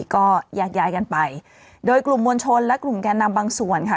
ก็แยกย้ายกันไปโดยกลุ่มมวลชนและกลุ่มแก่นำบางส่วนค่ะ